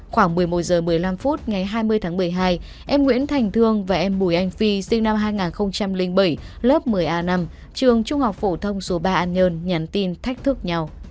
khoảng một mươi một h một mươi năm phút ngày hai mươi tháng một mươi hai em nguyễn thành thương và em bùi anh phi sinh năm hai nghìn bảy lớp một mươi a năm trường trung học phổ thông số ba an nhơn nhắn tin thách thức nhau